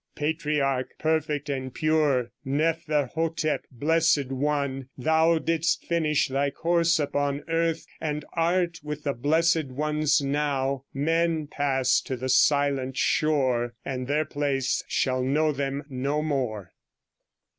Patriarch, perfect and pure, Neferhotep, blessed one! Thou Didst finish thy course upon earth, And art with the blessed ones now. Men pass to the silent shore, And their place shall know them no more.